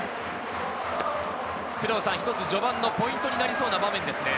一つ序盤のポイントになりそうな場面ですね。